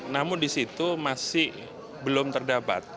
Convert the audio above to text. namun di situ masih belum terdapat